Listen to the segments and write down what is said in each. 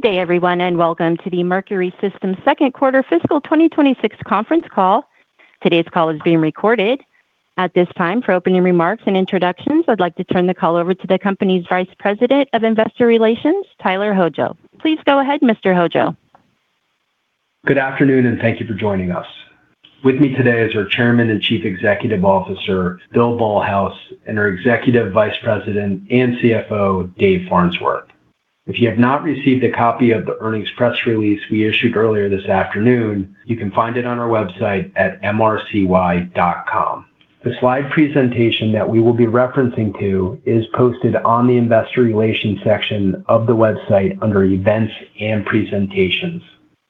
Good day, everyone, and welcome to the Mercury Systems second quarter fiscal 2026 conference call. Today's call is being recorded. At this time, for opening remarks and introductions, I'd like to turn the call over to the company's Vice President of Investor Relations, Tyler Hojo. Please go ahead, Mr. Hojo. Good afternoon, and thank you for joining us. With me today is our Chairman and Chief Executive Officer, Bill Ballhaus, and our Executive Vice President and CFO, Dave Farnsworth. If you have not received a copy of the earnings press release we issued earlier this afternoon, you can find it on our website at mrcy.com. The slide presentation that we will be referencing to is posted on the Investor Relations section of the website under Events and Presentations.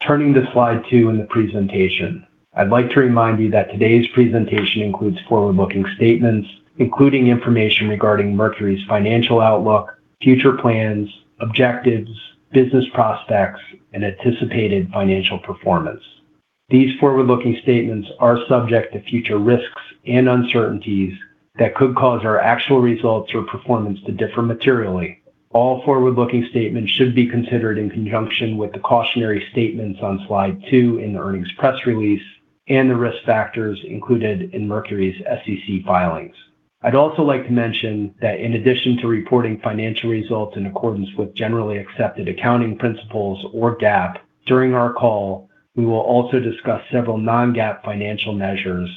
Turning to slide two in the presentation, I'd like to remind you that today's presentation includes forward-looking statements, including information regarding Mercury's financial outlook, future plans, objectives, business prospects, and anticipated financial performance. These forward-looking statements are subject to future risks and uncertainties that could cause our actual results or performance to differ materially. All forward-looking statements should be considered in conjunction with the cautionary statements on slide two in the earnings press release and the risk factors included in Mercury's SEC filings. I'd also like to mention that in addition to reporting financial results in accordance with generally accepted accounting principles or GAAP, during our call, we will also discuss several non-GAAP financial measures,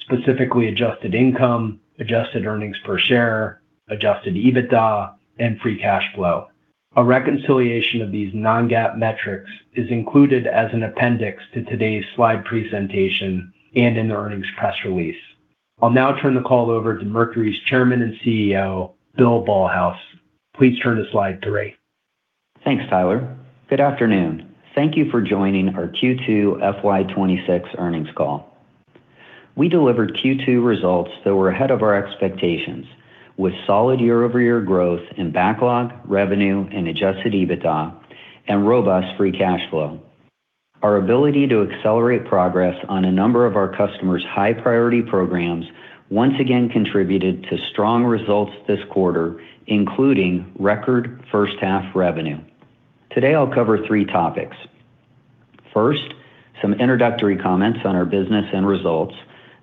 specifically adjusted income, adjusted earnings per share, adjusted EBITDA, and free cash flow. A reconciliation of these non-GAAP metrics is included as an appendix to today's slide presentation and in the earnings press release. I'll now turn the call over to Mercury's Chairman and CEO, Bill Ballhaus. Please turn to slide three. Thanks, Tyler. Good afternoon. Thank you for joining our Q2 FY 2026 earnings call. We delivered Q2 results that were ahead of our expectations, with solid year-over-year growth in backlog, revenue, and adjusted EBITDA, and robust free cash flow. Our ability to accelerate progress on a number of our customers' high-priority programs once again contributed to strong results this quarter, including record first-half revenue. Today, I'll cover three topics. First, some introductory comments on our business and results.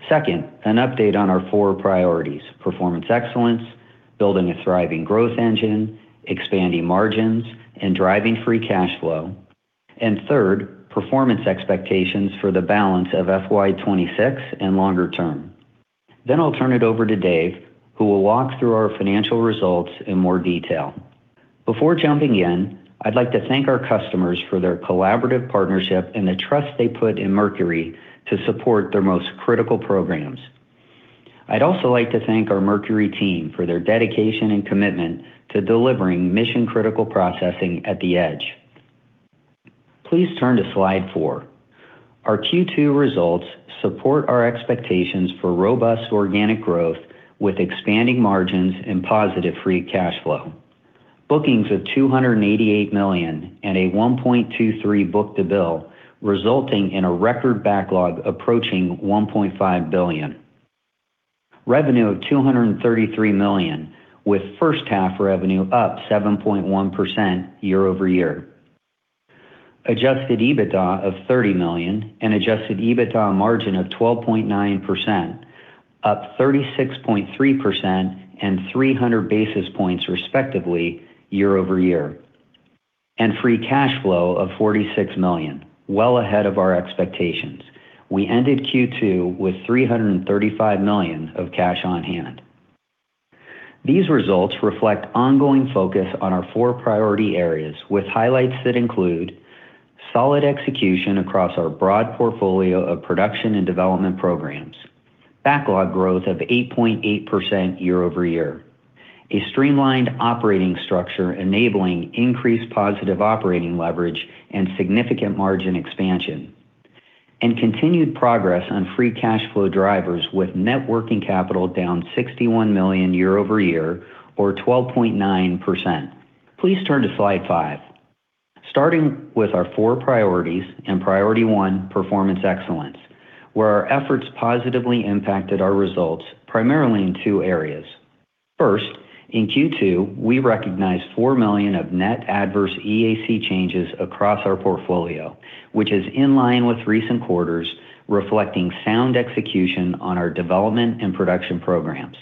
Second, an update on our four priorities: performance excellence, building a thriving growth engine, expanding margins, and driving free cash flow. And third, performance expectations for the balance of FY 2026 and longer term. Then I'll turn it over to Dave, who will walk through our financial results in more detail. Before jumping in, I'd like to thank our customers for their collaborative partnership and the trust they put in Mercury to support their most critical programs. I'd also like to thank our Mercury team for their dedication and commitment to delivering mission-critical processing at the edge. Please turn to slide four. Our Q2 results support our expectations for robust organic growth with expanding margins and positive free cash flow. Bookings of $288 million and a 1.23 book-to-bill, resulting in a record backlog approaching $1.5 billion. Revenue of $233 million, with first half revenue up 7.1% year-over-year. Adjusted EBITDA of $30 million and adjusted EBITDA margin of 12.9%, up 36.3% and 300 basis points, respectively, year-over-year. Free cash flow of $46 million, well ahead of our expectations. We ended Q2 with $335 million of cash on hand. These results reflect ongoing focus on our four priority areas, with highlights that include solid execution across our broad portfolio of production and development programs, backlog growth of 8.8% year-over-year, a streamlined operating structure enabling increased positive operating leverage and significant margin expansion, and continued progress on free cash flow drivers with net working capital down $61 million year-over-year or 12.9%. Please turn to slide 5. Starting with our four priorities and priority one, performance excellence, where our efforts positively impacted our results primarily in two areas. First, in Q2, we recognized $4 million of net adverse EAC changes across our portfolio, which is in line with recent quarters, reflecting sound execution on our development and production programs.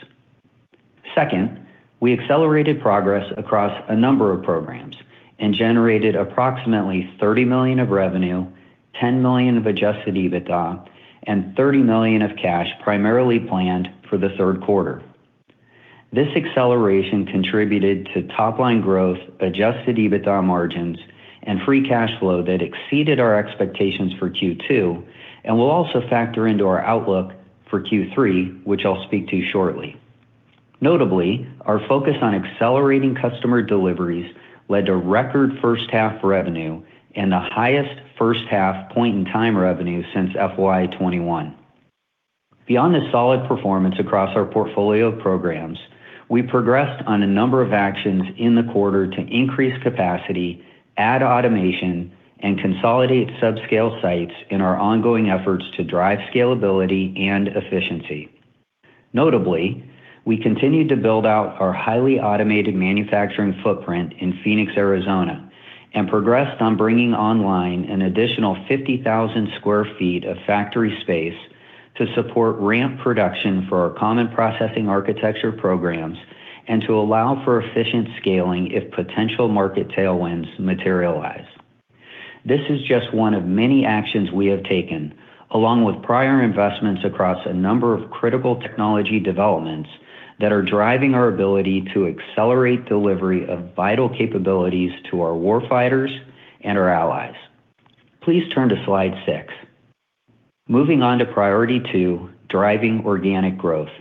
Second, we accelerated progress across a number of programs and generated approximately $30 million of revenue, $10 million of adjusted EBITDA, and $30 million of cash, primarily planned for the third quarter. This acceleration contributed to top-line growth, adjusted EBITDA margins, and free cash flow that exceeded our expectations for Q2 and will also factor into our outlook for Q3, which I'll speak to shortly. Notably, our focus on accelerating customer deliveries led to record first-half revenue and the highest first-half point-in-time revenue since FY 2021. Beyond the solid performance across our portfolio of programs, we progressed on a number of actions in the quarter to increase capacity, add automation, and consolidate subscale sites in our ongoing efforts to drive scalability and efficiency. Notably, we continued to build out our highly automated manufacturing footprint in Phoenix, Arizona, and progressed on bringing online an additional 50,000 sq ft of factory space to support ramp production for our Common Processing Architecture programs and to allow for efficient scaling if potential market tailwinds materialize. This is just one of many actions we have taken, along with prior investments across a number of critical technology developments, that are driving our ability to accelerate delivery of vital capabilities to our warfighters and our allies. Please turn to Slide 6. Moving on to Priority Two: Driving Organic Growth.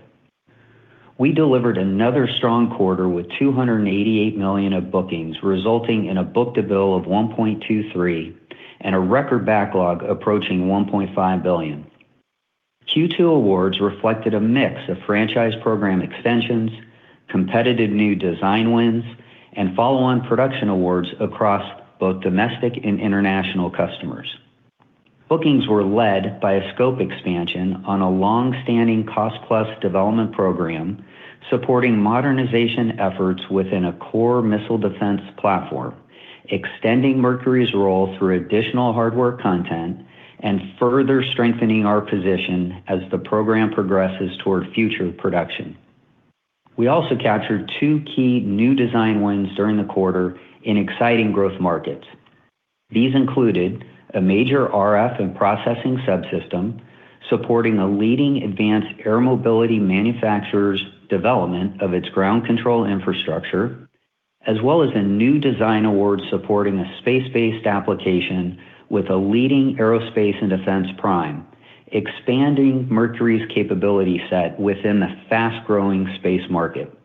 We delivered another strong quarter with $288 million of bookings, resulting in a book-to-bill of 1.23 and a record backlog approaching $1.5 billion. Q2 awards reflected a mix of franchise program extensions, competitive new design wins, and follow-on production awards across both domestic and international customers. Bookings were led by a scope expansion on a long-standing cost-plus development program, supporting modernization efforts within a core missile defense platform, extending Mercury's role through additional hardware content and further strengthening our position as the program progresses toward future production. We also captured two key new design wins during the quarter in exciting growth markets. These included a major RF and processing subsystem, supporting a leading advanced air mobility manufacturer's development of its ground control infrastructure, as well as a new design award supporting a space-based application with a leading aerospace and defense prime, expanding Mercury's capability set within the fast-growing space market.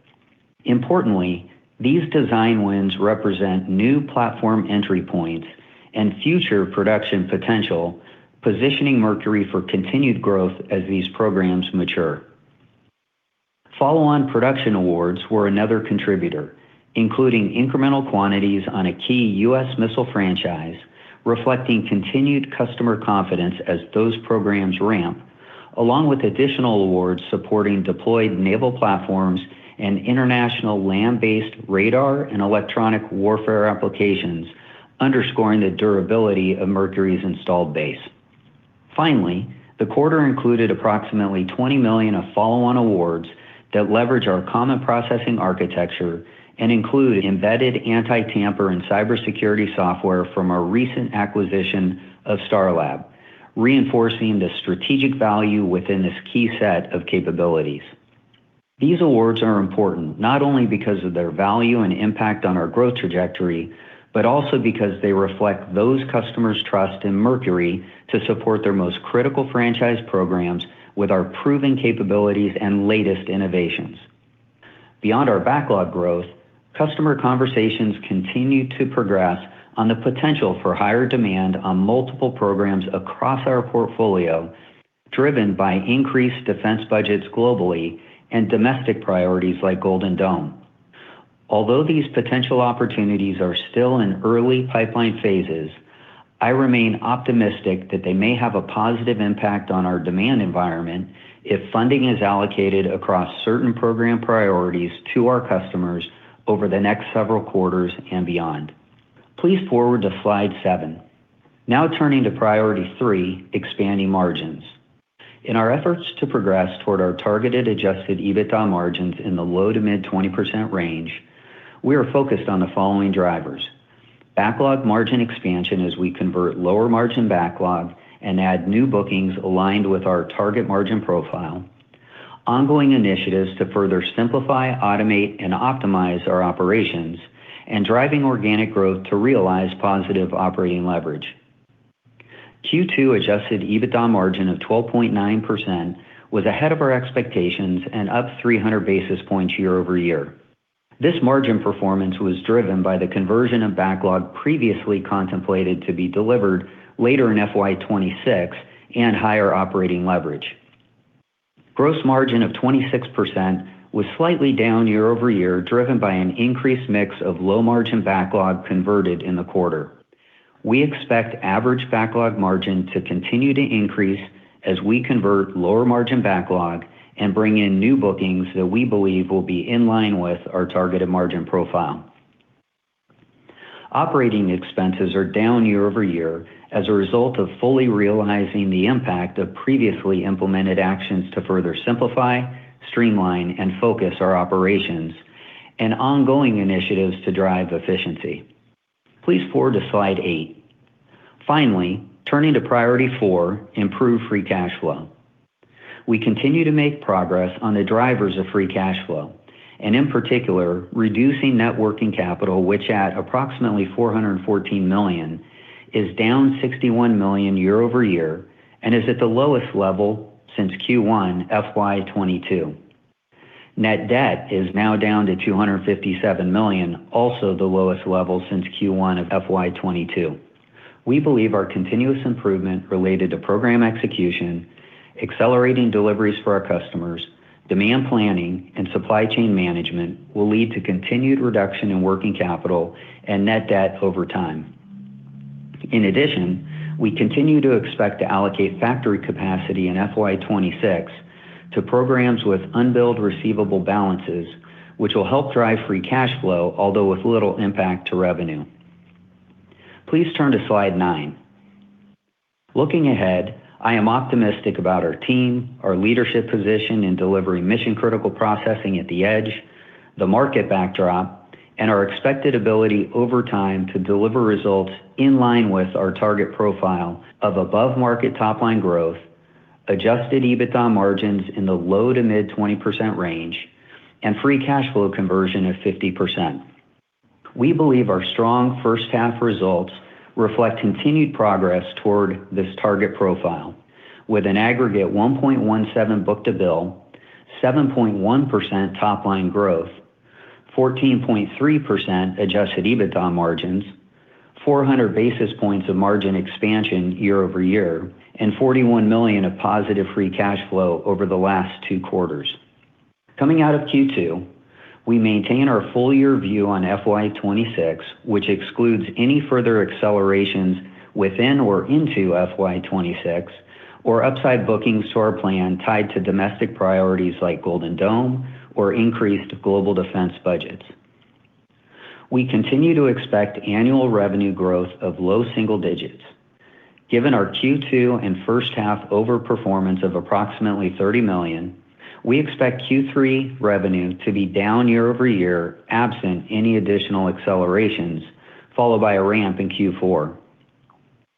Importantly, these design wins represent new platform entry points and future production potential, positioning Mercury for continued growth as these programs mature. Follow-on production awards were another contributor, including incremental quantities on a key U.S. missile franchise, reflecting continued customer confidence as those programs ramp, along with additional awards supporting deployed naval platforms and international land-based radar and electronic warfare applications, underscoring the durability of Mercury's installed base. Finally, the quarter included approximately $20 million of follow-on awards that leverage our Common Processing Architecture and include embedded Anti-Tamper and cybersecurity software from our recent acquisition of Star Lab, reinforcing the strategic value within this key set of capabilities. These awards are important, not only because of their value and impact on our growth trajectory, but also because they reflect those customers' trust in Mercury to support their most critical franchise programs with our proven capabilities and latest innovations. Beyond our backlog growth, customer conversations continue to progress on the potential for higher demand on multiple programs across our portfolio, driven by increased defense budgets globally and domestic priorities like Golden Dome. Although these potential opportunities are still in early pipeline phases, I remain optimistic that they may have a positive impact on our demand environment if funding is allocated across certain program priorities to our customers over the next several quarters and beyond. Please forward to Slide 7. Now turning to Priority Three: Expanding Margins. In our efforts to progress toward our targeted adjusted EBITDA margins in the low-to-mid 20% range, we are focused on the following drivers: Backlog margin expansion as we convert lower-margin backlog and add new bookings aligned with our target margin profile, ongoing initiatives to further simplify, automate, and optimize our operations, and driving organic growth to realize positive operating leverage. Q2 adjusted EBITDA margin of 12.9% was ahead of our expectations and up 300 basis points year-over-year. This margin performance was driven by the conversion of backlog previously contemplated to be delivered later in FY 2026 and higher operating leverage. Gross margin of 26% was slightly down year-over-year, driven by an increased mix of low-margin backlog converted in the quarter. We expect average backlog margin to continue to increase as we convert lower-margin backlog and bring in new bookings that we believe will be in line with our targeted margin profile. Operating expenses are down year-over-year as a result of fully realizing the impact of previously implemented actions to further simplify, streamline, and focus our operations and ongoing initiatives to drive efficiency. Please forward to slide 8. Finally, turning to Priority 4: Improve Free Cash Flow. We continue to make progress on the drivers of free cash flow, and in particular, reducing net working capital, which at approximately $414 million, is down $61 million year-over-year and is at the lowest level since Q1 FY 2022. Net debt is now down to $257 million, also the lowest level since Q1 of FY 2022. We believe our continuous improvement related to program execution, accelerating deliveries for our customers, demand planning, and supply chain management will lead to continued reduction in working capital and net debt over time.... In addition, we continue to expect to allocate factory capacity in FY 2026 to programs with unbilled receivable balances, which will help drive free cash flow, although with little impact to revenue. Please turn to slide 9. Looking ahead, I am optimistic about our team, our leadership position in delivering mission-critical processing at the edge, the market backdrop, and our expected ability over time to deliver results in line with our target profile of above-market top-line growth, Adjusted EBITDA margins in the low- to mid-20% range, and free cash flow conversion of 50%. We believe our strong first half results reflect continued progress toward this target profile, with an aggregate 1.17 book-to-bill, 7.1% top-line growth, 14.3% Adjusted EBITDA margins, 400 basis points of margin expansion year-over-year, and $41 million of positive free cash flow over the last two quarters. Coming out of Q2, we maintain our full year view on FY 2026, which excludes any further accelerations within or into FY 2026 or upside bookings to our plan tied to domestic priorities like Golden Dome or increased global defense budgets. We continue to expect annual revenue growth of low single digits. Given our Q2 and first half overperformance of approximately $30 million, we expect Q3 revenue to be down year-over-year, absent any additional accelerations, followed by a ramp in Q4.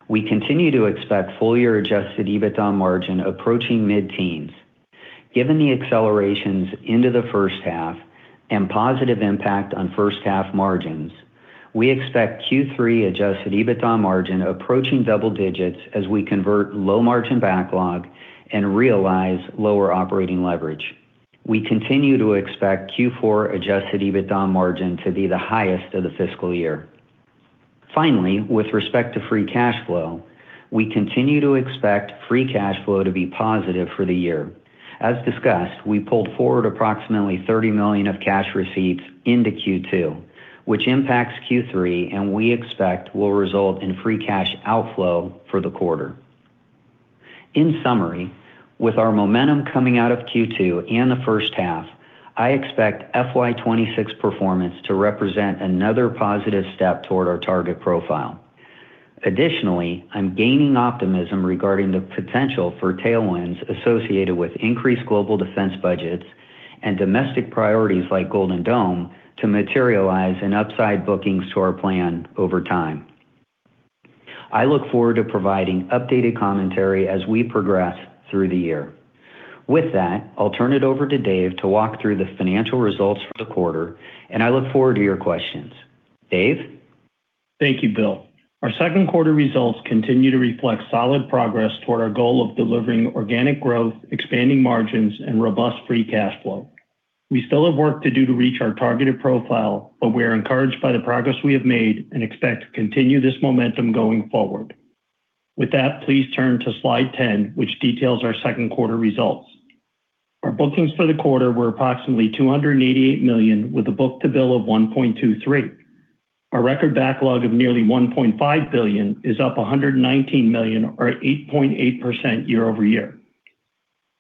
We continue to expect full year adjusted EBITDA margin approaching mid-teens. Given the accelerations into the first half and positive impact on first half margins, we expect Q3 adjusted EBITDA margin approaching double digits as we convert low-margin backlog and realize lower operating leverage. We continue to expect Q4 adjusted EBITDA margin to be the highest of the fiscal year. Finally, with respect to free cash flow, we continue to expect free cash flow to be positive for the year. As discussed, we pulled forward approximately $30 million of cash receipts into Q2, which impacts Q3 and we expect will result in free cash outflow for the quarter. In summary, with our momentum coming out of Q2 and the first half, I expect FY 2026 performance to represent another positive step toward our target profile. Additionally, I'm gaining optimism regarding the potential for tailwinds associated with increased global defense budgets and domestic priorities like Golden Dome to materialize in upside bookings to our plan over time. I look forward to providing updated commentary as we progress through the year. With that, I'll turn it over to Dave to walk through the financial results for the quarter, and I look forward to your questions. Dave? Thank you, Bill. Our second quarter results continue to reflect solid progress toward our goal of delivering organic growth, expanding margins, and robust free cash flow. We still have work to do to reach our targeted profile, but we are encouraged by the progress we have made and expect to continue this momentum going forward. With that, please turn to Slide 10, which details our second quarter results. Our bookings for the quarter were approximately $288 million, with a book-to-bill of 1.23. Our record backlog of nearly $1.5 billion is up $119 million or 8.8% year-over-year.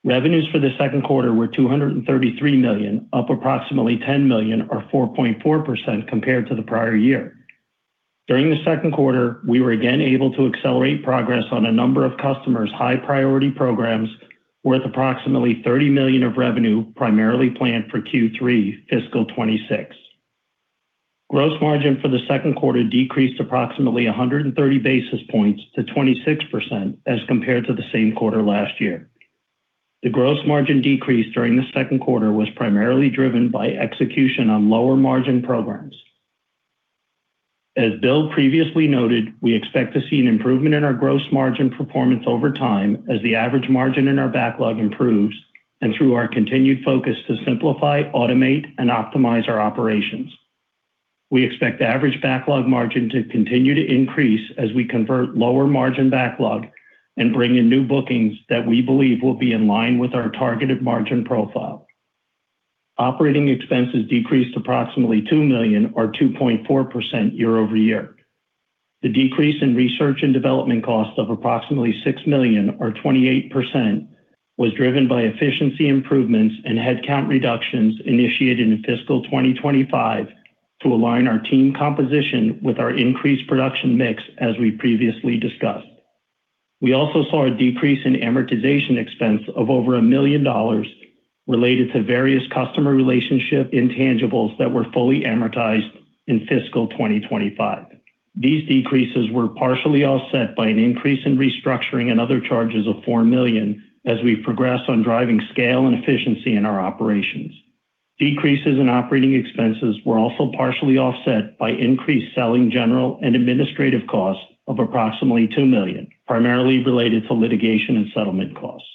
Revenues for the second quarter were $233 million, up approximately $10 million or 4.4% compared to the prior year. During the second quarter, we were again able to accelerate progress on a number of customers' high-priority programs, worth approximately $30 million of revenue, primarily planned for Q3 fiscal 2026. Gross margin for the second quarter decreased approximately 130 basis points to 26% as compared to the same quarter last year. The gross margin decrease during the second quarter was primarily driven by execution on lower-margin programs. As Bill previously noted, we expect to see an improvement in our gross margin performance over time as the average margin in our backlog improves and through our continued focus to simplify, automate, and optimize our operations. We expect average backlog margin to continue to increase as we convert lower-margin backlog and bring in new bookings that we believe will be in line with our targeted margin profile. Operating expenses decreased approximately $2 million or 2.4% year-over-year. The decrease in research and development costs of approximately $6 million or 28% was driven by efficiency improvements and headcount reductions initiated in fiscal 2025 to align our team composition with our increased production mix, as we previously discussed. We also saw a decrease in amortization expense of over $1 million related to various customer relationship intangibles that were fully amortized in fiscal 2025. These decreases were partially offset by an increase in restructuring and other charges of $4 million as we progress on driving scale and efficiency in our operations. Decreases in operating expenses were also partially offset by increased selling, general, and administrative costs of approximately $2 million, primarily related to litigation and settlement costs.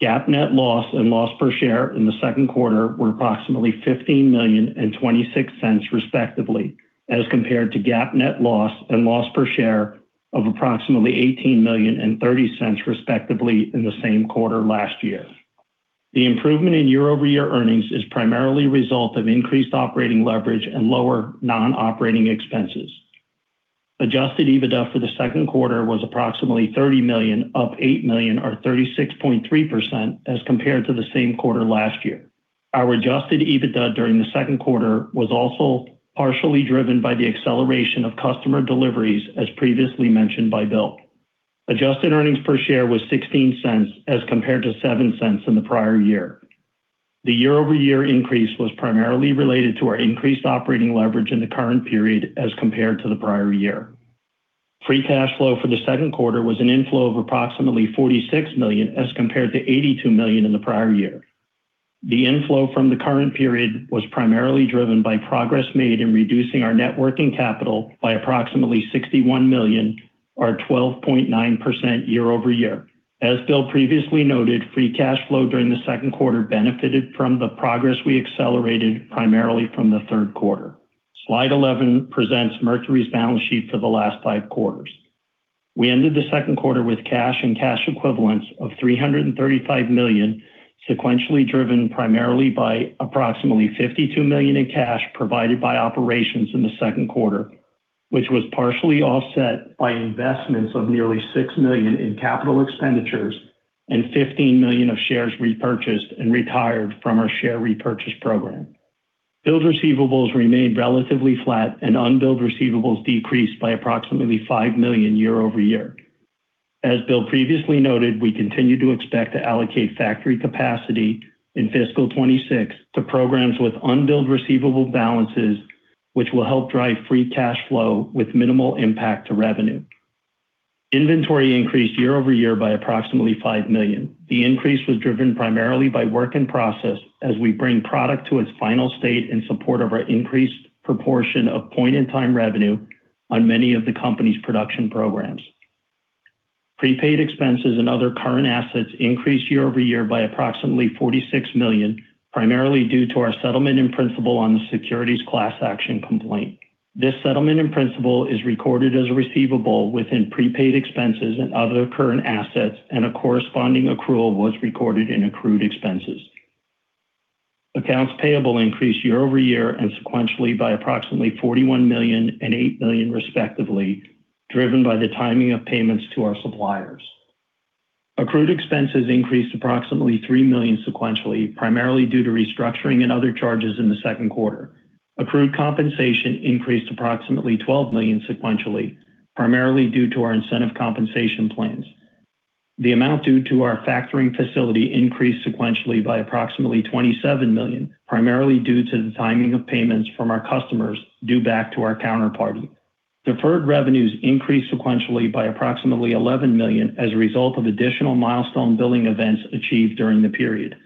GAAP net loss and loss per share in the second quarter were approximately $15 million and $0.26, respectively, as compared to GAAP net loss and loss per share of approximately $18 million and $0.30, respectively, in the same quarter last year. The improvement in year-over-year earnings is primarily a result of increased operating leverage and lower non-operating expenses. Adjusted EBITDA for the second quarter was approximately $30 million, up $8 million or 36.3% as compared to the same quarter last year. Our adjusted EBITDA during the second quarter was also partially driven by the acceleration of customer deliveries, as previously mentioned by Bill. Adjusted earnings per share was $0.16, as compared to $0.07 in the prior year. The year-over-year increase was primarily related to our increased operating leverage in the current period as compared to the prior year. Free cash flow for the second quarter was an inflow of approximately $46 million, as compared to $82 million in the prior year. The inflow from the current period was primarily driven by progress made in reducing our net working capital by approximately $61 million or 12.9% year-over-year. As Bill previously noted, free cash flow during the second quarter benefited from the progress we accelerated primarily from the third quarter. Slide 11 presents Mercury's balance sheet for the last 5 quarters. We ended the second quarter with cash and cash equivalents of $335 million, sequentially driven primarily by approximately $52 million in cash provided by operations in the second quarter, which was partially offset by investments of nearly $6 million in capital expenditures and $15 million of shares repurchased and retired from our share repurchase program. Billed receivables remained relatively flat, and unbilled receivables decreased by approximately $5 million year-over-year. As Bill previously noted, we continue to expect to allocate factory capacity in fiscal 2026 to programs with unbilled receivable balances, which will help drive free cash flow with minimal impact to revenue. Inventory increased year-over-year by approximately $5 million. The increase was driven primarily by work in process as we bring product to its final state in support of our increased proportion of point-in-time revenue on many of the company's production programs. Prepaid expenses and other current assets increased year-over-year by approximately $46 million, primarily due to our settlement in principle on the securities class action complaint. This settlement in principle is recorded as a receivable within prepaid expenses and other current assets, and a corresponding accrual was recorded in accrued expenses. Accounts payable increased year-over-year and sequentially by approximately $41 million and $8 million, respectively, driven by the timing of payments to our suppliers. Accrued expenses increased approximately $3 million sequentially, primarily due to restructuring and other charges in the second quarter. Accrued compensation increased approximately $12 million sequentially, primarily due to our incentive compensation plans. The amount due to our factoring facility increased sequentially by approximately $27 million, primarily due to the timing of payments from our customers due back to our counterparty. Deferred revenues increased sequentially by approximately $11 million as a result of additional milestone billing events achieved during the period.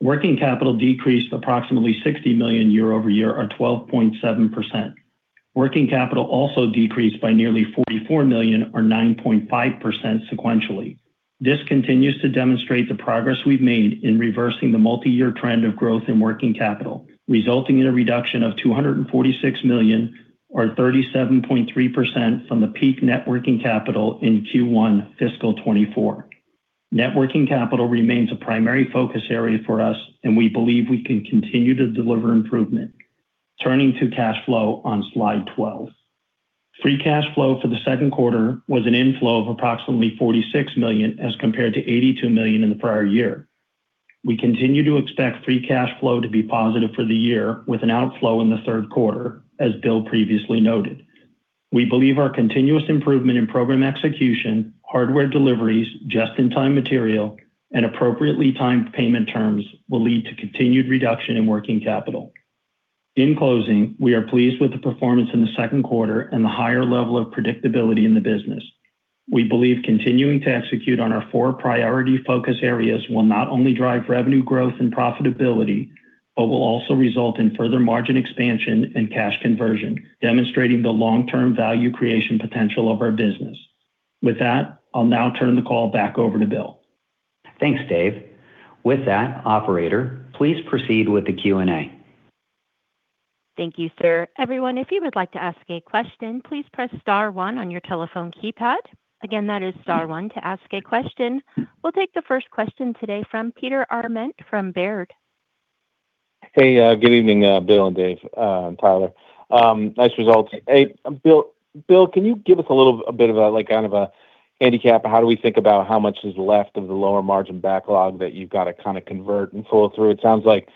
Working capital decreased approximately $60 million year-over-year or 12.7%. Working capital also decreased by nearly $44 million or 9.5% sequentially. This continues to demonstrate the progress we've made in reversing the multi-year trend of growth in working capital, resulting in a reduction of $246 million or 37.3% from the peak net working capital in Q1 fiscal 2024. Net working capital remains a primary focus area for us, and we believe we can continue to deliver improvement. Turning to cash flow on slide 12. Free cash flow for the second quarter was an inflow of approximately $46 million, as compared to $82 million in the prior year. We continue to expect free cash flow to be positive for the year, with an outflow in the third quarter, as Bill previously noted. We believe our continuous improvement in program execution, hardware deliveries, just-in-time material, and appropriately timed payment terms will lead to continued reduction in working capital. In closing, we are pleased with the performance in the second quarter and the higher level of predictability in the business. We believe continuing to execute on our four priority focus areas will not only drive revenue growth and profitability, but will also result in further margin expansion and cash conversion, demonstrating the long-term value creation potential of our business. With that, I'll now turn the call back over to Bill. Thanks, Dave. With that, operator, please proceed with the Q&A. Thank you, sir. Everyone, if you would like to ask a question, please press star one on your telephone keypad. Again, that is star one to ask a question. We'll take the first question today from Peter Arment from Baird. Hey, good evening, Bill and Dave, and Tyler. Nice results. Hey, Bill, Bill, can you give us a little a bit of a, like, kind of a handicap? How do we think about how much is left of the lower margin backlog that you've got to kind of convert and pull through? It sounds like,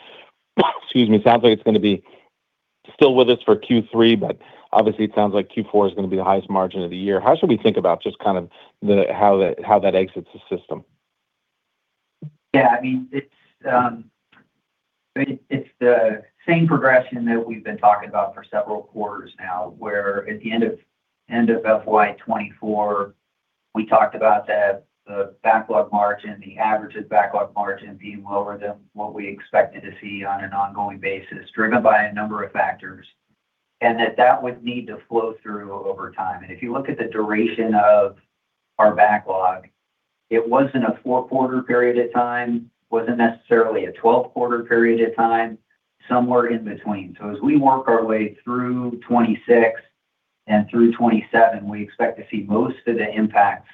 excuse me, it sounds like it's gonna be still with us for Q3, but obviously, it sounds like Q4 is gonna be the highest margin of the year. How should we think about just kind of the, how that, how that exits the system? Yeah, I mean, it's the same progression that we've been talking about for several quarters now, where at the end of FY 2024, we talked about that the backlog margin, the average of backlog margin being lower than what we expected to see on an ongoing basis, driven by a number of factors, and that that would need to flow through over time. And if you look at the duration of our backlog, it wasn't a 4-quarter period of time, wasn't necessarily a 12-quarter period of time, somewhere in between. So as we work our way through 2026 and through 2027, we expect to see most of the impact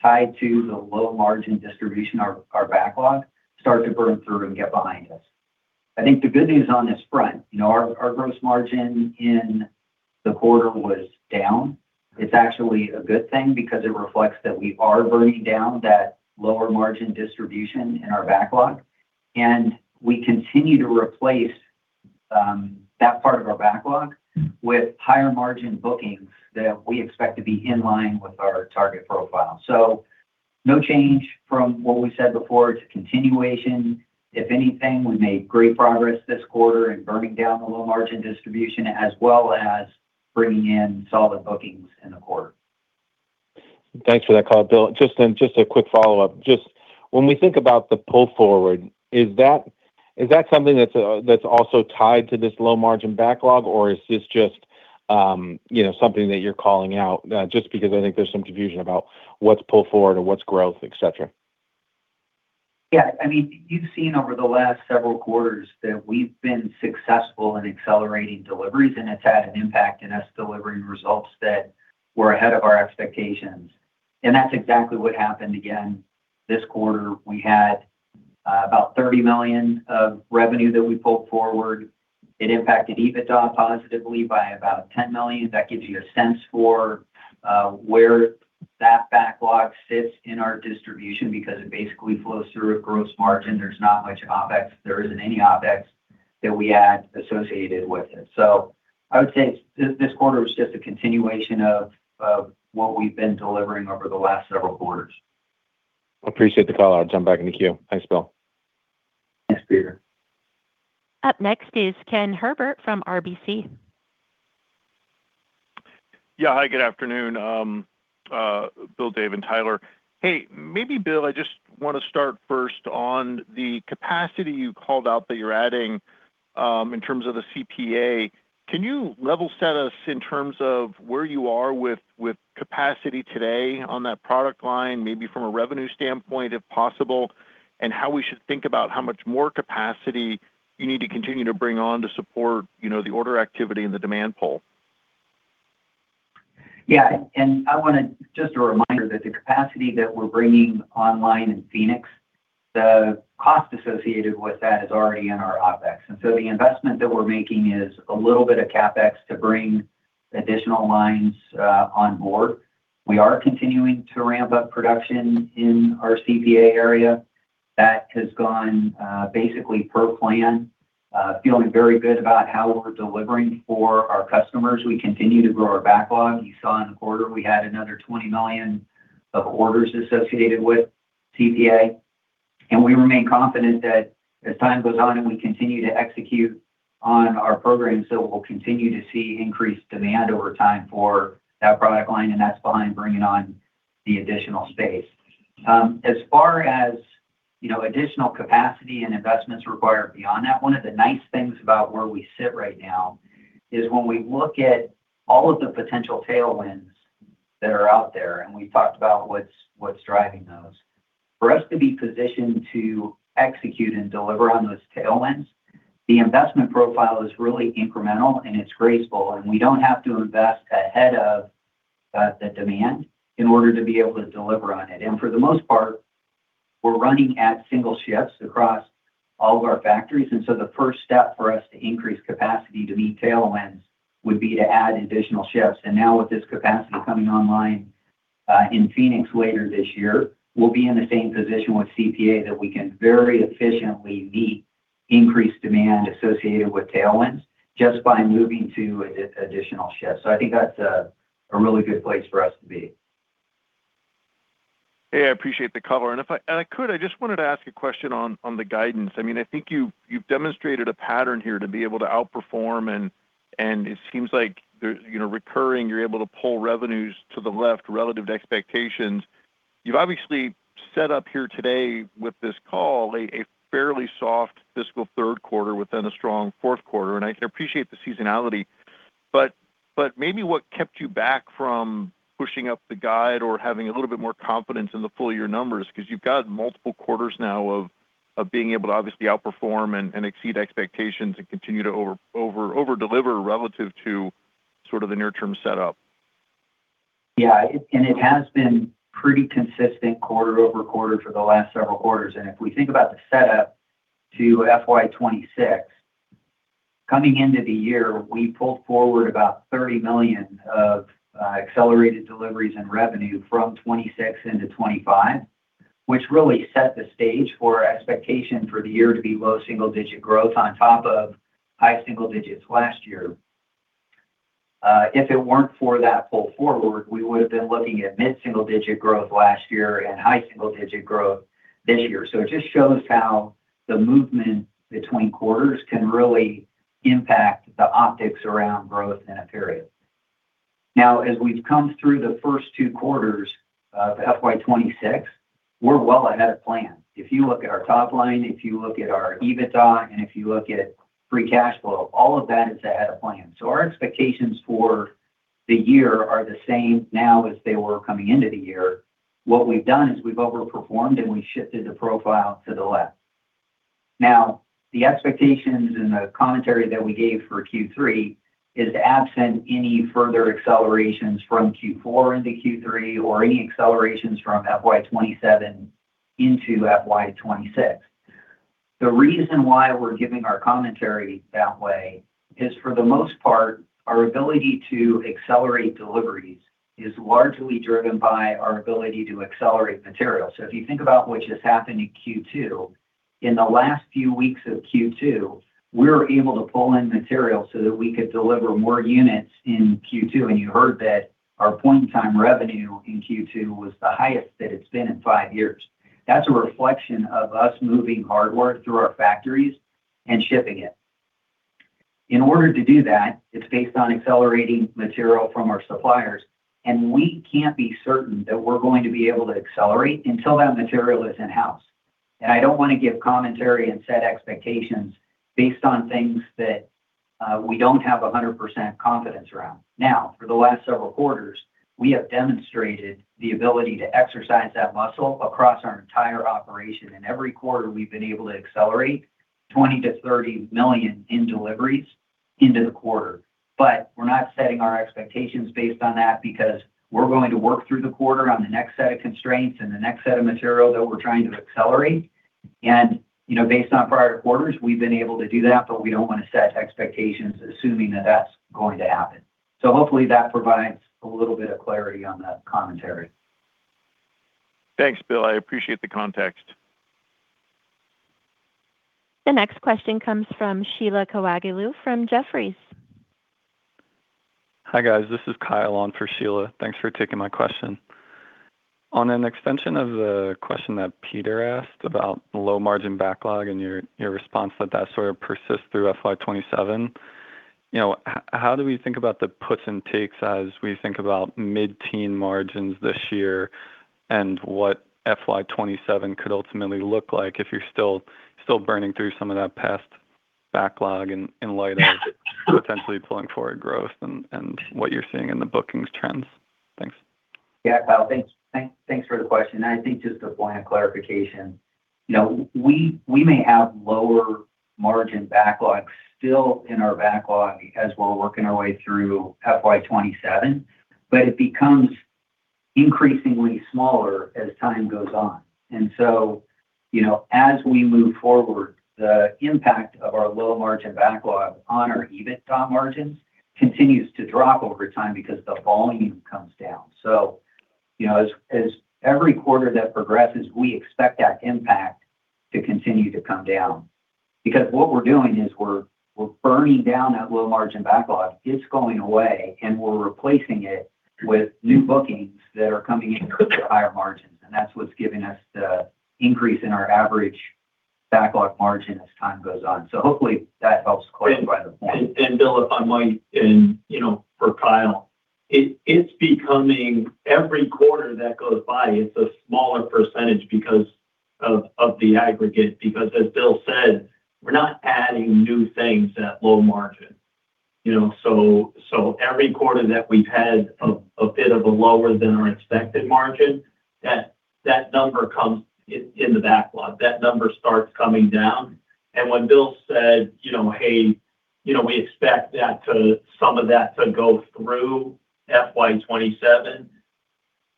tied to the low margin distribution, our backlog start to burn through and get behind us. I think the good news on this front, you know, our gross margin in the quarter was down. It's actually a good thing because it reflects that we are burning down that lower margin distribution in our backlog, and we continue to replace that part of our backlog with higher margin bookings that we expect to be in line with our target profile. So no change from what we said before. It's a continuation. If anything, we made great progress this quarter in burning down the low margin distribution, as well as bringing in solid bookings in the quarter. Thanks for that call, Bill. Just a quick follow-up. Just when we think about the pull forward, is that something that's also tied to this low margin backlog? Or is this just, you know, something that you're calling out just because I think there's some confusion about what's pull forward or what's growth, et cetera? Yeah, I mean, you've seen over the last several quarters that we've been successful in accelerating deliveries, and it's had an impact in us delivering results that were ahead of our expectations. And that's exactly what happened again this quarter. We had about $30 million of revenue that we pulled forward. It impacted EBITDA positively by about $10 million. That gives you a sense for where that backlog sits in our distribution because it basically flows through a gross margin. There's not much OpEx. There isn't any OpEx that we add associated with it. So I would say this, this quarter was just a continuation of, of what we've been delivering over the last several quarters. Appreciate the call out. Jump back in the queue. Thanks, Bill. Thanks, Peter. Up next is Ken Herbert from RBC. Yeah. Hi, good afternoon, Bill, Dave, and Tyler. Hey, maybe Bill, I just wanna start first on the capacity you called out that you're adding in terms of the CPA. Can you level set us in terms of where you are with, with capacity today on that product line, maybe from a revenue standpoint, if possible, and how we should think about how much more capacity you need to continue to bring on to support, you know, the order activity and the demand pull? Yeah, and I wanna just a reminder that the capacity that we're bringing online in Phoenix, the cost associated with that is already in our OpEx, and so the investment that we're making is a little bit of CapEx to bring additional lines on board. We are continuing to ramp up production in our CPA area. That has gone basically per plan. Feeling very good about how we're delivering for our customers. We continue to grow our backlog. You saw in the quarter, we had another $20 million of orders associated with CPA. And we remain confident that as time goes on and we continue to execute on our programs, that we'll continue to see increased demand over time for that product line, and that's behind bringing on the additional space. As far as, you know, additional capacity and investments required beyond that, one of the nice things about where we sit right now is when we look at all of the potential tailwinds that are out there, and we talked about what's driving those. For us to be positioned to execute and deliver on those tailwinds, the investment profile is really incremental, and it's graceful, and we don't have to invest ahead of the demand in order to be able to deliver on it. For the most part, we're running at single shifts across all of our factories, and so the first step for us to increase capacity to meet tailwinds would be to add additional shifts. Now with this capacity coming online in Phoenix later this year, we'll be in the same position with CPA that we can very efficiently meet increased demand associated with tailwinds just by moving to an additional shift. I think that's a really good place for us to be. Hey, I appreciate the cover. And if I could, I just wanted to ask a question on the guidance. I mean, I think you've demonstrated a pattern here to be able to outperform, and it seems like there's, you know, recurring, you're able to pull revenues to the left relative to expectations. You've obviously set up here today with this call a fairly soft fiscal third quarter within a strong fourth quarter, and I can appreciate the seasonality, but maybe what kept you back from pushing up the guide or having a little bit more confidence in the full year numbers, because you've got multiple quarters now of being able to obviously outperform and exceed expectations and continue to over deliver relative to sort of the near term setup. Yeah, and it has been pretty consistent quarter-over-quarter for the last several quarters. If we think about the setup to FY 2026, coming into the year, we pulled forward about $30 million of accelerated deliveries and revenue from 2026 into 2025, which really set the stage for expectation for the year to be low double-digit growth on top of high single digits last year. If it weren't for that pull forward, we would have been looking at mid-single digit growth last year and high single digit growth this year. So it just shows how the movement between quarters can really impact the optics around growth in a period. Now, as we've come through the first two quarters of FY 2026, we're well ahead of plan. If you look at our top line, if you look at our EBITDA, and if you look at free cash flow, all of that is ahead of plan. So our expectations for the year are the same now as they were coming into the year. What we've done is we've overperformed, and we shifted the profile to the left.... Now, the expectations and the commentary that we gave for Q3 is absent any further accelerations from Q4 into Q3 or any accelerations from FY 2027 into FY 2026. The reason why we're giving our commentary that way is, for the most part, our ability to accelerate deliveries is largely driven by our ability to accelerate material. So if you think about what just happened in Q2, in the last few weeks of Q2, we were able to pull in material so that we could deliver more units in Q2. You heard that our point-in-time revenue in Q2 was the highest that it's been in five years. That's a reflection of us moving hardware through our factories and shipping it. In order to do that, it's based on accelerating material from our suppliers, and we can't be certain that we're going to be able to accelerate until that material is in-house. I don't want to give commentary and set expectations based on things that, we don't have 100% confidence around. Now, for the last several quarters, we have demonstrated the ability to exercise that muscle across our entire operation, and every quarter we've been able to accelerate $20 million-$30 million in deliveries into the quarter. But we're not setting our expectations based on that because we're going to work through the quarter on the next set of constraints and the next set of material that we're trying to accelerate. And, you know, based on prior quarters, we've been able to do that, but we don't want to set expectations, assuming that that's going to happen. So hopefully that provides a little bit of clarity on that commentary. Thanks, Bill. I appreciate the context. The next question comes from Sheila Kahyaoglu from Jefferies. Hi, guys. This is Kyle on for Sheila. Thanks for taking my question. On an extension of the question that Peter asked about low margin backlog and your response that sort of persists through FY 2027, you know, how do we think about the puts and takes as we think about mid-teen margins this year, and what FY 2027 could ultimately look like if you're still burning through some of that past backlog and in light of potentially pulling forward growth and what you're seeing in the bookings trends? Thanks. Yeah, Kyle, thanks, thanks for the question, and I think just a point of clarification. You know, we may have lower margin backlogs still in our backlog as we're working our way through FY 2027, but it becomes increasingly smaller as time goes on. And so, you know, as we move forward, the impact of our low margin backlog on our EBITDA margins continues to drop over time because the volume comes down. So, you know, as every quarter that progresses, we expect that impact to continue to come down. Because what we're doing is we're burning down that low margin backlog. It's going away, and we're replacing it with new bookings that are coming in with higher margins, and that's what's giving us the increase in our average backlog margin as time goes on. So hopefully that helps clarify the point. Bill, if I might, and, you know, for Kyle, it's becoming every quarter that goes by, it's a smaller percentage because of the aggregate. Because as Bill said, we're not adding new things at low margin. You know, so every quarter that we've had a bit of a lower than our expected margin, that number comes in the backlog. That number starts coming down, and when Bill said, you know, "Hey, you know, we expect that to some of that to go through FY 2027,"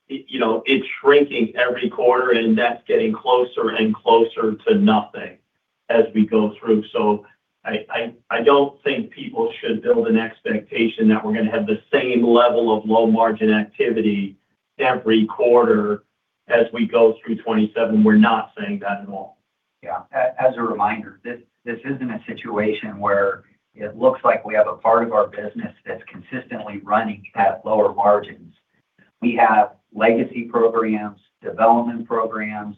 it, you know, it's shrinking every quarter, and that's getting closer and closer to nothing as we go through. So I don't think people should build an expectation that we're going to have the same level of low margin activity every quarter as we go through 2027. We're not saying that at all. Yeah. As a reminder, this isn't a situation where it looks like we have a part of our business that's consistently running at lower margins. We have legacy programs, development programs,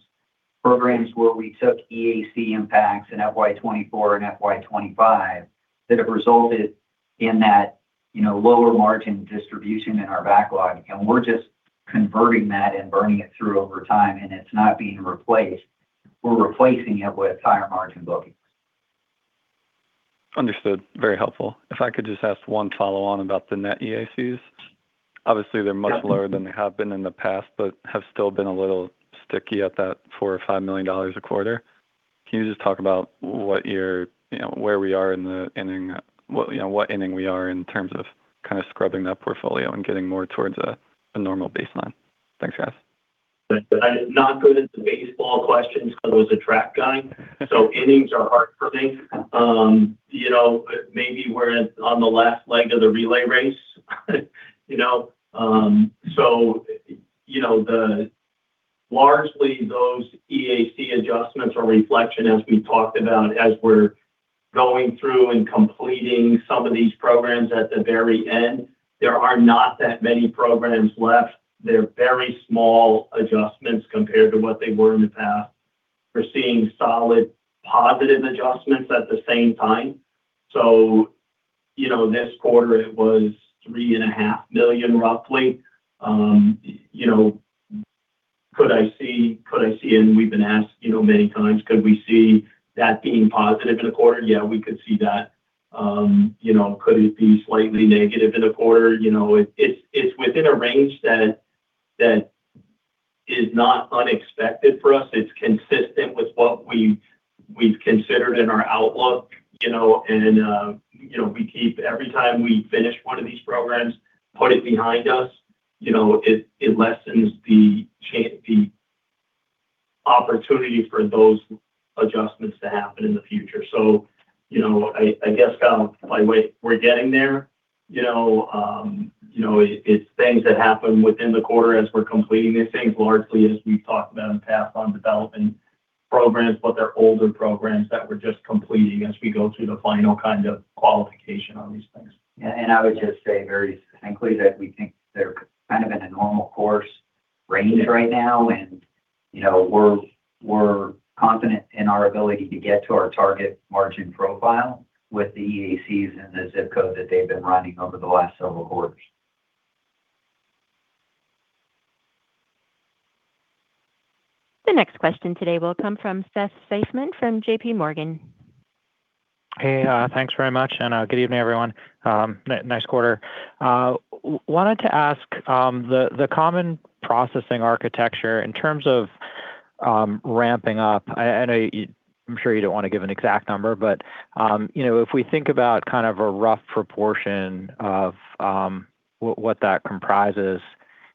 programs where we took EAC impacts in FY 2024 and FY 2025, that have resulted in that, you know, lower margin distribution in our backlog, and we're just converting that and burning it through over time, and it's not being replaced. We're replacing it with higher margin bookings. Understood. Very helpful. If I could just ask one follow-on about the net EACs. Obviously, they're much- Yeah... lower than they have been in the past, but have still been a little sticky at that $4 million-$5 million a quarter. Can you just talk about what you're... You know, where we are in the inning, what-- you know, what inning we are in terms of kind of scrubbing that portfolio and getting more towards a, a normal baseline? Thanks, guys. I'm not good at the baseball questions because I was a track guy, so innings are hard for me. You know, maybe we're on the last leg of the relay race, you know? So, you know, largely, those EAC adjustments are a reflection, as we talked about, as we're going through and completing some of these programs at the very end. There are not that many programs left. They're very small adjustments compared to what they were in the past. We're seeing solid positive adjustments at the same time. So, you know, this quarter it was $3.5 million, roughly. You know, could I see, and we've been asked, you know, many times, could we see that being positive in a quarter? Yeah, we could see that. You know, could it be slightly negative in a quarter? You know, it's within a range that is not unexpected for us. It's consistent with what we've considered in our outlook, you know, and, you know, we keep every time we finish one of these programs, put it behind us, you know, it lessens the opportunity for those adjustments to happen in the future. So, you know, I guess, kind of like we're getting there, you know, you know, it's things that happen within the quarter as we're completing these things, largely as we've talked about in the past, on developing programs, but they're older programs that we're just completing as we go through the final kind of qualification on these things. Yeah, and I would just say very succinctly that we think they're kind of in a normal course range right now, and, you know, we're confident in our ability to get to our target margin profile with the EACs and the zip code that they've been running over the last several quarters. The next question today will come from Seth Seifman from JPMorgan. Hey, thanks very much, and good evening, everyone. Nice quarter. Wanted to ask, the Common Processing Architecture in terms of ramping up. I know you—I'm sure you don't want to give an exact number, but you know, if we think about kind of a rough proportion of what that comprises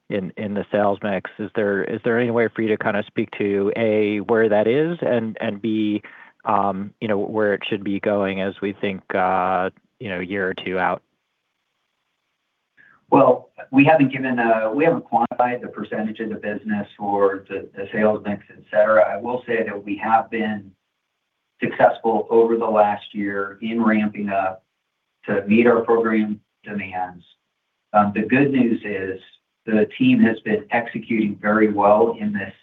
in the sales mix, is there any way for you to kind of speak to, A, where that is, and B, you know, where it should be going as we think, you know, a year or two out? Well, we haven't quantified the percentage of the business or the sales mix, et cetera. I will say that we have been successful over the last year in ramping up to meet our program demands. The good news is the team has been executing very well in this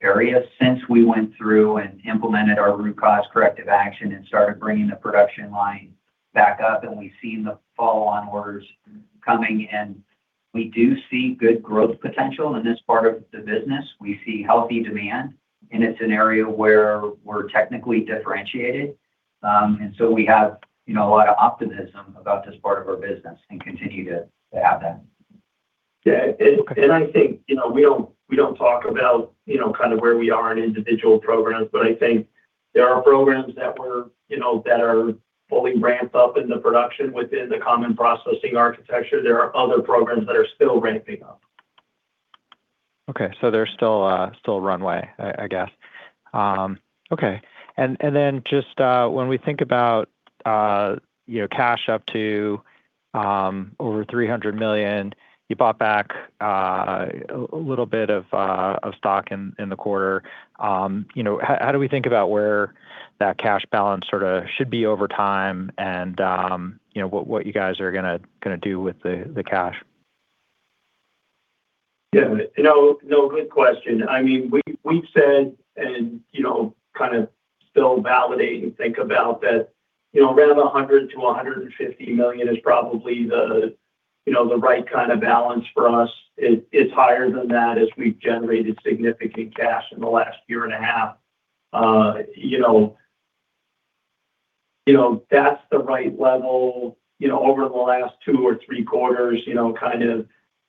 area since we went through and implemented our root cause corrective action and started bringing the production line back up, and we've seen the follow-on orders coming in. We do see good growth potential in this part of the business. We see healthy demand, and it's an area where we're technically differentiated. And so we have, you know, a lot of optimism about this part of our business and continue to have that. Yeah, and I think, you know, we don't talk about, you know, kind of where we are in individual programs, but I think there are programs that we're, you know, that are fully ramped up in the production within the Common Processing Architecture. There are other programs that are still ramping up. Okay. So there's still a still runway, I guess. Okay. And then just when we think about you know cash up to over $300 million, you bought back a little bit of stock in the quarter. You know, how do we think about where that cash balance sorta should be over time and you know what you guys are gonna do with the cash? Yeah. No, no, good question. I mean, we, we've said, and, you know, kind of still validate and think about that, you know, around $100 million-$150 million is probably the, you know, the right kind of balance for us. It's higher than that as we've generated significant cash in the last year and a half. You know, you know, that's the right level. You know, over the last two or three quarters, you know, kind of,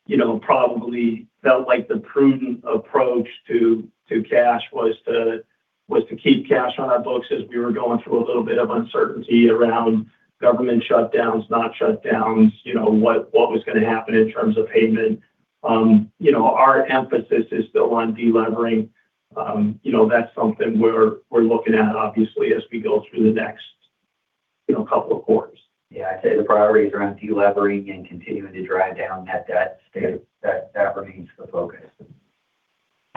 you know, probably felt like the prudent approach to, to cash was to, was to keep cash on our books as we were going through a little bit of uncertainty around government shutdowns, not shutdowns, you know, what, what was gonna happen in terms of payment. You know, our emphasis is still on delevering. You know, that's something we're looking at, obviously, as we go through the next, you know, couple of quarters. Yeah, I'd say the priorities are on delevering and continuing to drive down that debt state. That, that remains the focus.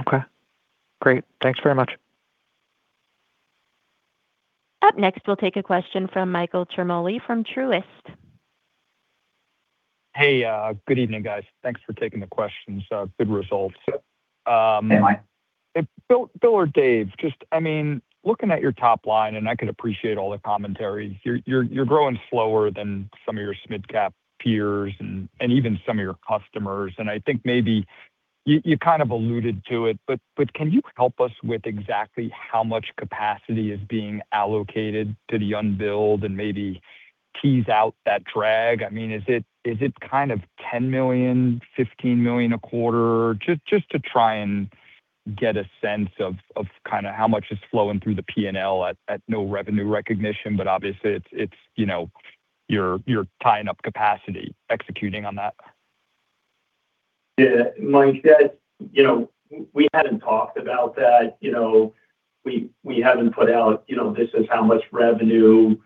Okay, great. Thanks very much. Up next, we'll take a question from Michael Ciarmoli from Truist. Hey, good evening, guys. Thanks for taking the questions, good results. Hey, Mike. Bill, Bill or Dave, just, I mean, looking at your top line, and I can appreciate all the commentary. You're growing slower than some of your mid-cap peers and even some of your customers, and I think maybe you kind of alluded to it. But can you help us with exactly how much capacity is being allocated to the unbilled and maybe tease out that drag? I mean, is it kind of $10 million, $15 million a quarter? Just to try and get a sense of kind of how much is flowing through the P&L at no revenue recognition, but obviously it's, you know, you're tying up capacity executing on that. Yeah, Mike, that... You know, we hadn't talked about that. You know, we haven't put out, you know, this is how much revenue,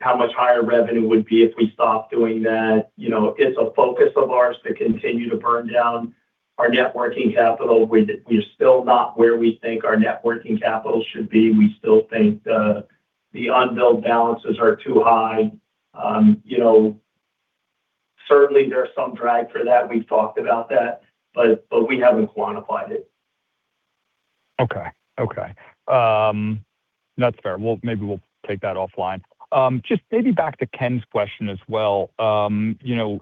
how much higher revenue would be if we stopped doing that. You know, it's a focus of ours to continue to burn down our net working capital. We're still not where we think our net working capital should be. We still think the unbilled balances are too high. You know, certainly there's some drag for that. We've talked about that, but we haven't quantified it. Okay, okay. That's fair. We'll maybe we'll take that offline. Just maybe back to Ken's question as well, you know,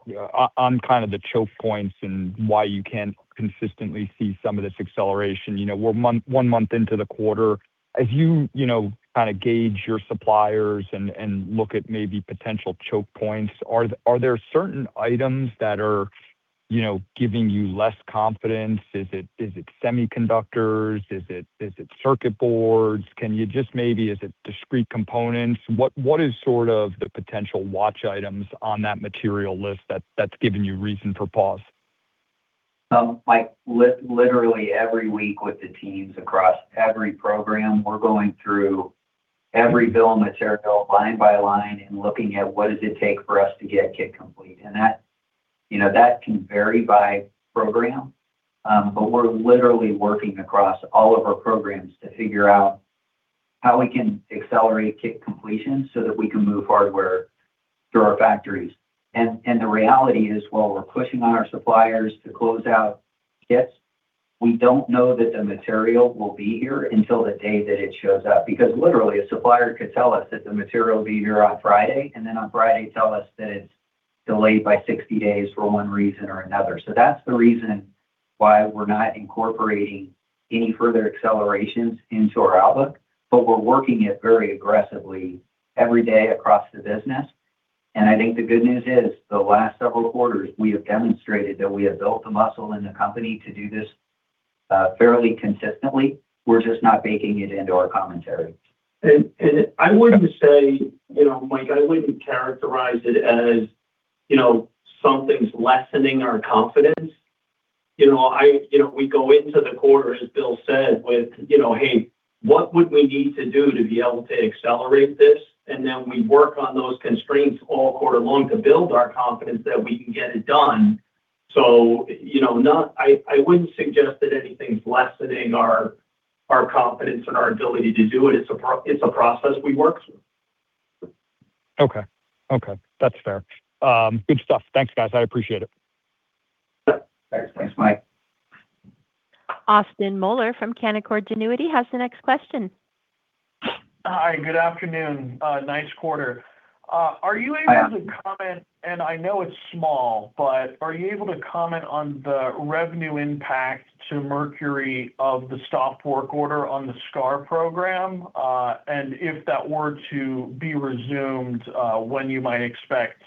on kind of the choke points and why you can't consistently see some of this acceleration, you know, we're one month into the quarter. As you, you know, kind of gauge your suppliers and look at maybe potential choke points, are there certain items that are you know, giving you less confidence? Is it semiconductors? Is it circuit boards? Can you just maybe is it discrete components? What is sort of the potential watch items on that material list that's giving you reason for pause? Like, literally every week with the teams across every program, we're going through every bill of material line by line and looking at what does it take for us to get kit complete. And that, you know, that can vary by program. But we're literally working across all of our programs to figure out how we can accelerate kit completion so that we can move hardware through our factories. And the reality is, while we're pushing on our suppliers to close out kits, we don't know that the material will be here until the day that it shows up. Because literally, a supplier could tell us that the material will be here on Friday, and then on Friday tell us that it's delayed by 60 days for one reason or another. So that's the reason why we're not incorporating any further accelerations into our outlook, but we're working it very aggressively every day across the business. And I think the good news is, the last several quarters, we have demonstrated that we have built the muscle in the company to do this, fairly consistently. We're just not baking it into our commentary. I wouldn't say, you know, Mike, I wouldn't characterize it as, you know, something's lessening our confidence. You know, we go into the quarter, as Bill said, with, you know, "Hey, what would we need to do to be able to accelerate this?" And then we work on those constraints all quarter long to build our confidence that we can get it done. So, you know, I wouldn't suggest that anything's lessening our confidence and our ability to do it. It's a process we work through. Okay. Okay, that's fair. Good stuff. Thanks, guys. I appreciate it. Thanks. Thanks, Mike. Austin Moeller from Canaccord Genuity has the next question. Hi, good afternoon. Nice quarter. Are you able- Hi, Austin... to comment, and I know it's small, but are you able to comment on the revenue impact to Mercury of the stop work order on the SDA program? If that were to be resumed, when you might expect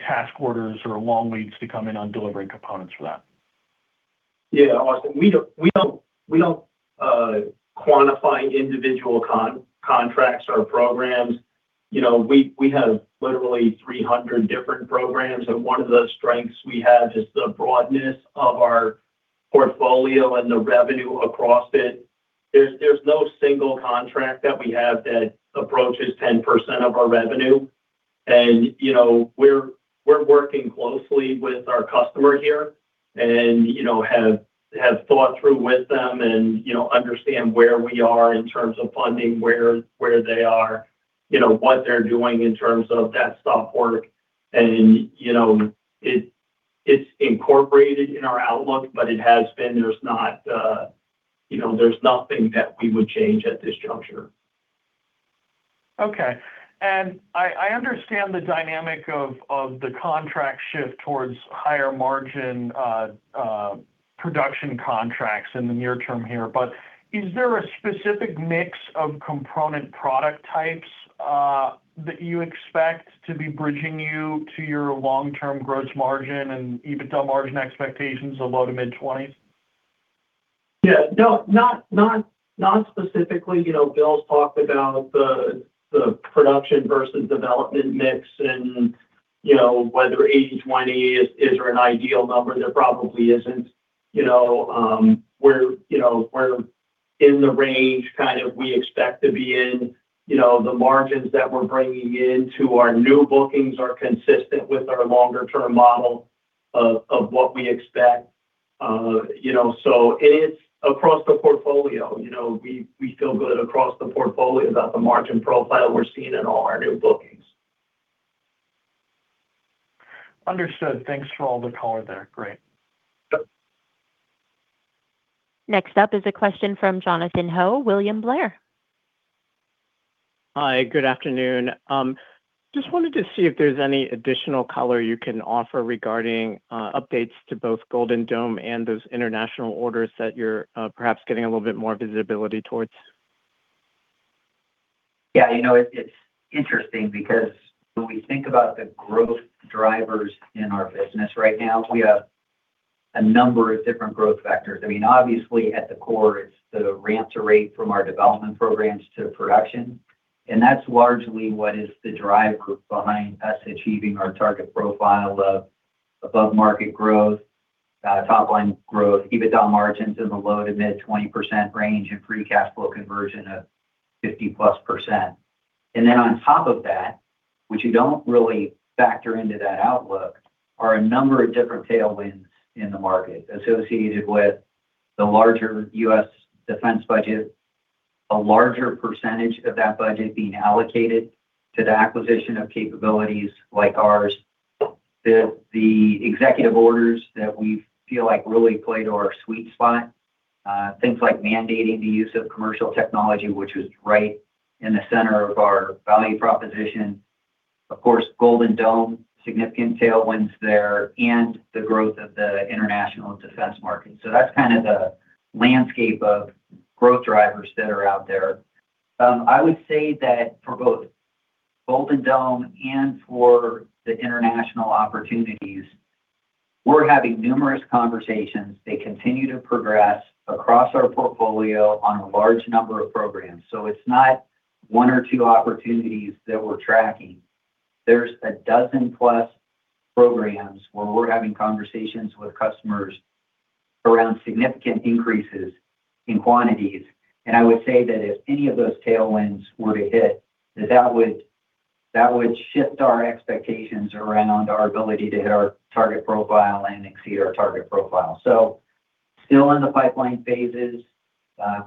task orders or long leads to come in on delivering components for that? Yeah, Austin, we don't quantify individual contracts or programs. You know, we have literally 300 different programs, and one of the strengths we have is the broadness of our portfolio and the revenue across it. There's no single contract that we have that approaches 10% of our revenue. And, you know, we're working closely with our customer here and, you know, have thought through with them and, you know, understand where we are in terms of funding, where they are, you know, what they're doing in terms of that stop work. And, you know, it's incorporated in our outlook, but it has been, there's not, you know, there's nothing that we would change at this juncture. Okay. And I understand the dynamic of the contract shift towards higher margin production contracts in the near term here, but is there a specific mix of component product types that you expect to be bridging you to your long-term gross margin and EBITDA margin expectations of low- to mid-20s%? Yeah. No, not specifically. You know, Bill's talked about the production versus development mix and, you know, whether 80/20 is an ideal number, there probably isn't. You know, we're in the range kind of we expect to be in. You know, the margins that we're bringing into our new bookings are consistent with our longer term model of what we expect. You know, so it is across the portfolio. You know, we feel good across the portfolio about the margin profile we're seeing in all our new bookings. Understood. Thanks for all the color there. Great. Yep. Next up is a question from Jonathan Ho, William Blair. Hi, good afternoon. Just wanted to see if there's any additional color you can offer regarding updates to both Golden Dome and those international orders that you're perhaps getting a little bit more visibility towards? Yeah, you know, it, it's interesting because when we think about the growth drivers in our business right now, we have a number of different growth vectors. I mean, obviously, at the core, it's the ramp to rate from our development programs to production, and that's largely what is the driver behind us achieving our target profile of above-market growth, top-line growth, EBITDA margins in the low-to-mid 20% range and free cash flow conversion of 50%+. And then on top of that, which you don't really factor into that outlook, are a number of different tailwinds in the market associated with the larger U.S. defense budget, a larger percentage of that budget being allocated to the acquisition of capabilities like ours. The executive orders that we feel like really play to our sweet spot, things like mandating the use of commercial technology, which is right in the center of our value proposition. Of course, Golden Dome, significant tailwinds there, and the growth of the international defense market. So that's kind of the landscape of growth drivers that are out there. I would say that for both- ...Golden Dome and for the international opportunities, we're having numerous conversations. They continue to progress across our portfolio on a large number of programs. So it's not one or two opportunities that we're tracking. There's a dozen plus programs where we're having conversations with customers around significant increases in quantities. And I would say that if any of those tailwinds were to hit, that would, that would shift our expectations around our ability to hit our target profile and exceed our target profile. So still in the pipeline phases,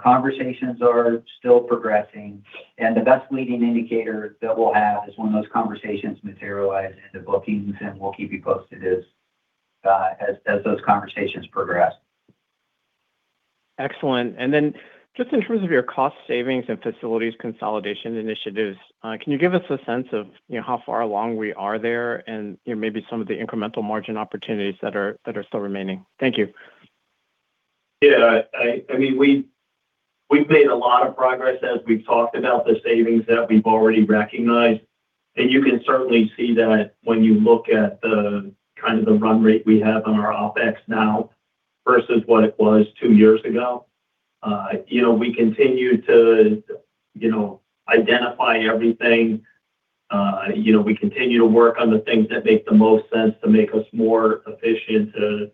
conversations are still progressing, and the best leading indicator that we'll have is when those conversations materialize into bookings, and we'll keep you posted as, as those conversations progress. Excellent. Then just in terms of your cost savings and facilities consolidation initiatives, can you give us a sense of, you know, how far along we are there and, you know, maybe some of the incremental margin opportunities that are, that are still remaining? Thank you. Yeah. I mean, we've made a lot of progress as we've talked about the savings that we've already recognized. And you can certainly see that when you look at the kind of the run rate we have on our OpEx now versus what it was two years ago. You know, we continue to identify everything. You know, we continue to work on the things that make the most sense to make us more efficient to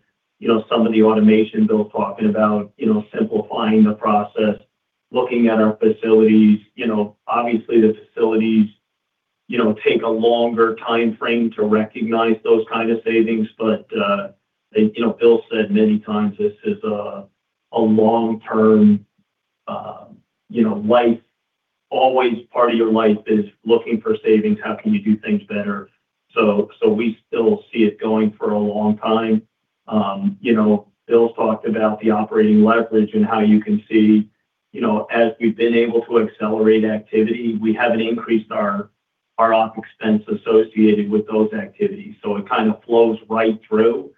some of the automation Bill talking about, you know, simplifying the process, looking at our facilities. You know, obviously, the facilities, you know, take a longer time frame to recognize those kind of savings, but and, you know, Bill said many times, this is a long-term, you know, life - always part of your life is looking for savings, how can you do things better? So, so we still see it going for a long time. You know, Bill talked about the operating leverage and how you can see, you know, as we've been able to accelerate activity, we haven't increased our OpEx expense associated with those activities. So it kind of flows right through.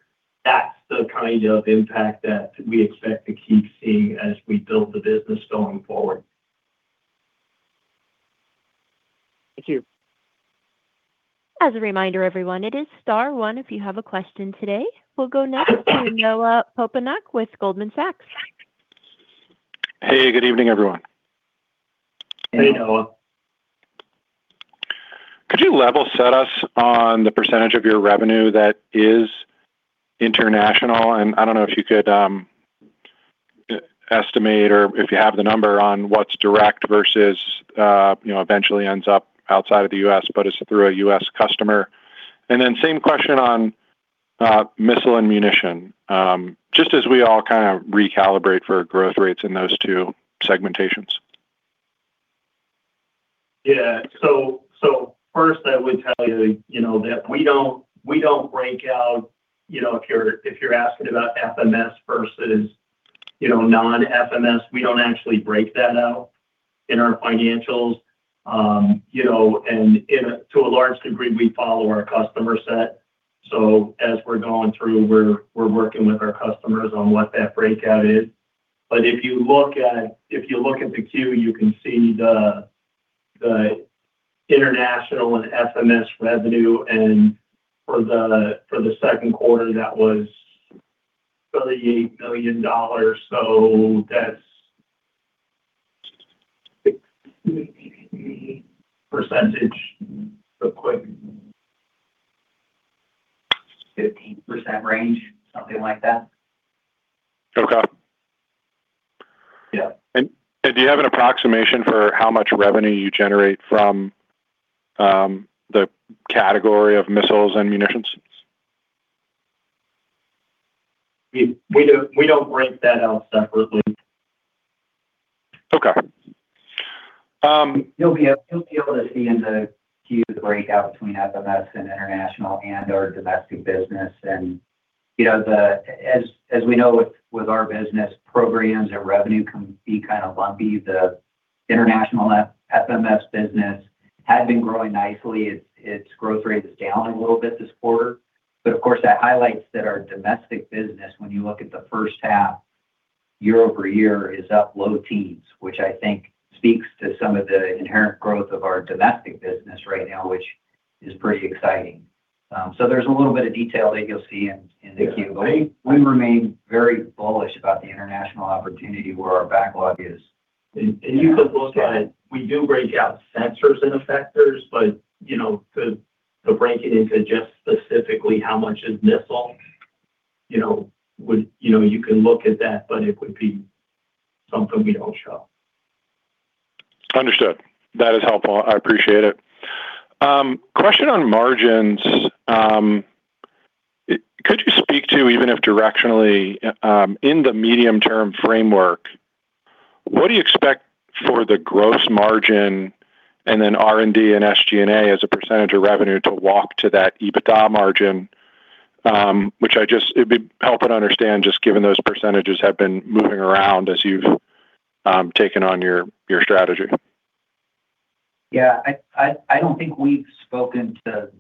That's the kind of impact that we expect to keep seeing as we build the business going forward. Thank you. As a reminder, everyone, it is star one, if you have a question today. We'll go next to Noah Poponak with Goldman Sachs. Hey, good evening, everyone. Hey, Noah. Could you level set us on the percentage of your revenue that is international? And I don't know if you could estimate or if you have the number on what's direct versus you know eventually ends up outside of the U.S., but it's through a U.S. customer. And then same question on missile and munition just as we all kind of recalibrate for growth rates in those two segmentations. Yeah. So first, I would tell you, you know, that we don't break out, you know, if you're asking about FMS versus, you know, non-FMS, we don't actually break that out in our financials. You know, and to a large degree, we follow our customer set. So as we're going through, we're working with our customers on what that breakout is. But if you look at the queue, you can see the international and FMS revenue, and for the second quarter, that was $38 million. So that's percentage, real quick. 15% range, something like that. Okay. Yeah. Do you have an approximation for how much revenue you generate from the category of missiles and munitions? We don't break that out separately. Okay. Um- You'll be able to see in the queue the breakout between FMS and international and/or domestic business. And, you know, as we know, with our business, programs and revenue can be kind of lumpy. The international FMS business has been growing nicely. Its growth rate is down a little bit this quarter. But of course, that highlights that our domestic business, when you look at the first half, year-over-year, is up low teens, which I think speaks to some of the inherent growth of our domestic business right now, which is pretty exciting. So there's a little bit of detail that you'll see in the queue. We remain very bullish about the international opportunity where our backlog is. And you could look at it. We do break out sensors and effectors, but, you know, to break it into just specifically how much is missile, you know, would, you know, you can look at that, but it would be something we don't show. Understood. That is helpful. I appreciate it. Question on margins. Could you speak to, even if directionally, in the medium-term framework, what do you expect for the gross margin and then R&D and SG&A as a percentage of revenue to walk to that EBITDA margin? It'd be helpful to understand, just given those percentages have been moving around as you've taken on your strategy. Yeah. I don't think we've spoken to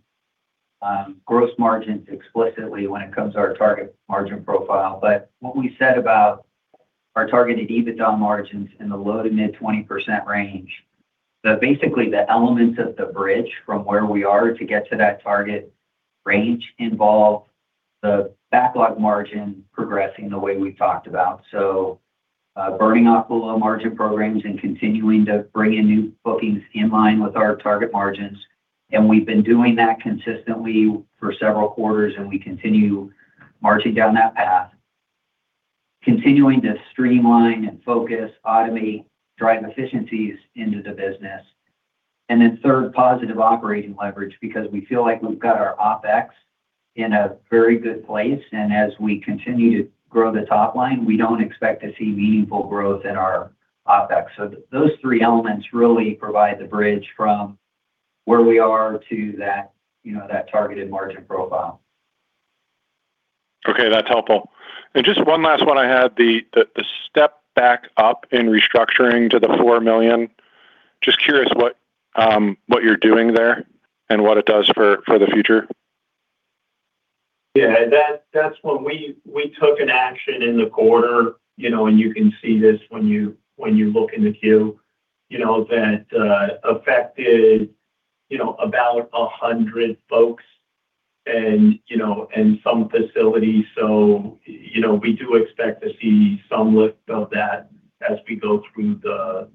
gross margins explicitly when it comes to our target margin profile. But what we said about our targeted EBITDA margins in the low- to mid-20% range, basically the elements of the bridge from where we are to get to that target range involve the backlog margin progressing the way we've talked about. So, burning off the low margin programs and continuing to bring in new bookings in line with our target margins, and we've been doing that consistently for several quarters, and we continue marching down that path. Continuing to streamline and focus, automate, drive efficiencies into the business. And then third, positive operating leverage, because we feel like we've got our OpEx in a very good place, and as we continue to grow the top line, we don't expect to see meaningful growth in our OpEx. So those three elements really provide the bridge from where we are to that, you know, that targeted margin profile. Okay, that's helpful. And just one last one I had, the step back up in restructuring to the $4 million. Just curious what you're doing there and what it does for the future? Yeah, that's when we took an action in the quarter, you know, and you can see this when you look in the Q. You know, that affected, you know, about 100 folks and, you know, and some facilities. So, you know, we do expect to see some lift of that as we go through the,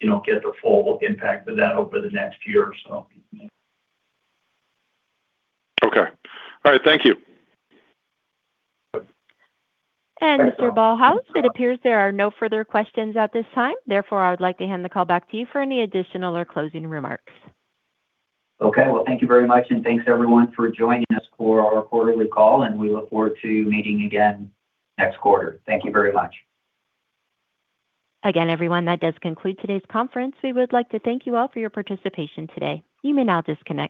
you know, get the full impact of that over the next year or so. Okay. All right, thank you. Mr. Ballhaus, it appears there are no further questions at this time. Therefore, I would like to hand the call back to you for any additional or closing remarks. Okay. Well, thank you very much, and thanks, everyone, for joining us for our quarterly call, and we look forward to meeting again next quarter. Thank you very much. Again, everyone, that does conclude today's conference. We would like to thank you all for your participation today. You may now disconnect.